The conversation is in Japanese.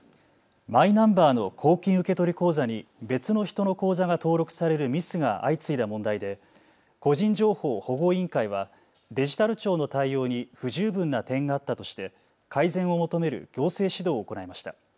マイナンバーの公金受取口座に別の人の口座が登録されるミスが相次いだ問題で個人情報保護委員会はデジタル庁の対応に不十分な点があったとして改善を求める行政指導を行いました。